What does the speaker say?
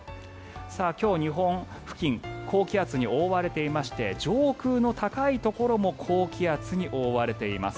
今日、日本付近高気圧に覆われていまして上空の高いところも高気圧に覆われています。